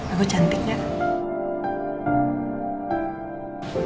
aku cantik gak